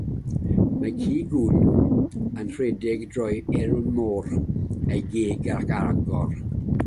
Mae ci gwyn yn rhedeg drwy'r ewyn môr, ei geg ar agor.